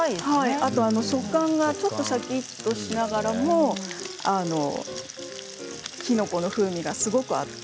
あとは食感がちょっとシャキっとしながらもきのこの風味があって。